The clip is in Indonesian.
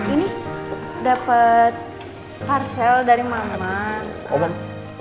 ini dapat parsel dari mama abang